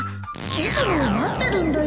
磯野を待ってるんだよ